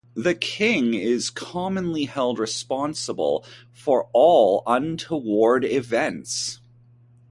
The king is commonly held responsible for all untoward events.